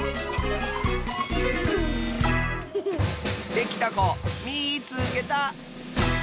できたこみいつけた！